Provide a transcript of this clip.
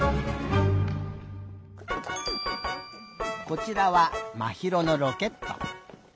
こちらはまひろのロケット。